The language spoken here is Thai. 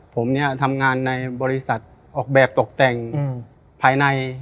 ผมเนี่ยทำงานในบริษัทออกแบบตกแต่งภายใน